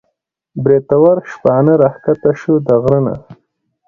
بریتور شپانه راکښته شو د غر نه